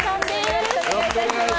よろしくお願いします。